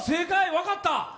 分かった？